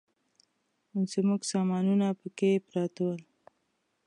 زموږ سامانونه په کښتۍ کې پراته ول.